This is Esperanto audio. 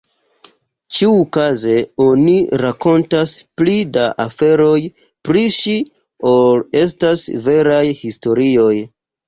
Ĉiukaze oni rakontas pli da aferoj pri ŝi ol estas veraj historioj.